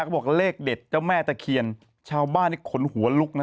เขาบอกเลขเด็ดเจ้าแม่ตะเคียนชาวบ้านนี่ขนหัวลุกนะ